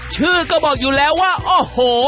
ชื่อก็บอกอยู่แล้วว่าโอ้โห